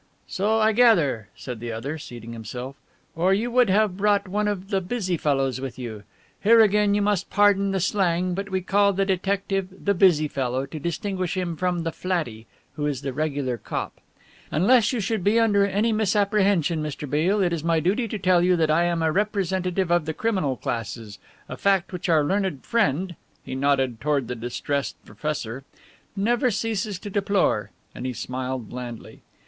"So I gather," said the other, seating himself, "or you would have brought one of the 'busy fellows' with you. Here again you must pardon the slang but we call the detective the 'busy fellow' to distinguish him from the 'flattie,' who is the regular cop. Unless you should be under any misapprehension, Mr. Beale, it is my duty to tell you that I am a representative of the criminal classes, a fact which our learned friend," he nodded toward the distressed professor, "never ceases to deplore," and he smiled blandly.